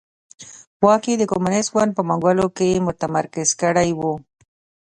واک یې د کمونېست ګوند په منګولو کې متمرکز کړی و.